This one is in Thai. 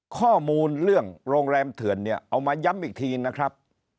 ข้อมูลเรื่องโรงแรมเถื่อนเนี่ยเอามาย้ำอีกทีนะครับ